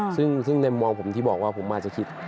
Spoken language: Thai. ซึ่งในมุมมองผมที่บอกว่าผมอาจจะคิด